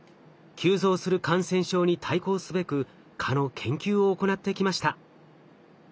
急増する感染症に対抗すべく蚊の研究を行ってきました。